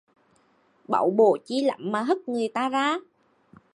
Báu bổ chi lắm mà hất người ta ra